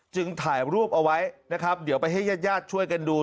ถ่ายรูปเอาไว้นะครับเดี๋ยวไปให้ญาติญาติช่วยกันดู